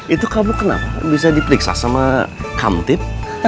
itu kamu kenapa bisa diperiksa sama kamtip